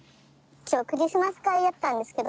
今日クリスマス会やったんですけど。